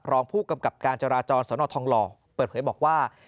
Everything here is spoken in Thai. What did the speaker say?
รองผู้กำกับการจราจรสนทองหล่อเปิดเผยบอกว่า